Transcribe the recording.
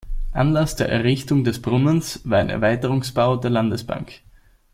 Anlass der Errichtung des Brunnens war ein Erweiterungsbau der Landesbank.